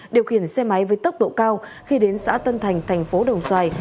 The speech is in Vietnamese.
điều khiển xe máy với tốc độ cao khi đến xã tân thành thành phố đồng xoài